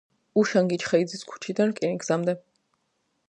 უშანგი ჩხეიძის ქუჩიდან რკინიგზამდე.